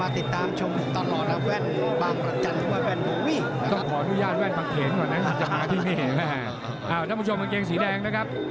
ท่านผู้ชมกางเกงสีแดงนะครับ